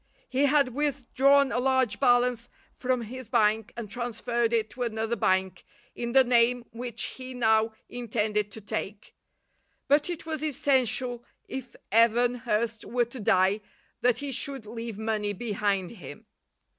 He had withdrawn a large balance from his bank and transferred it to another bank in the name which he now intended to take, but it was essential if Evan Hurst were to die that he should leave money behind him.